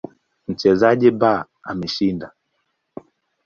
Mchezaji B ameshinda.